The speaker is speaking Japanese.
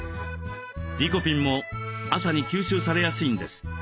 リコピンも朝に吸収されやすいんです。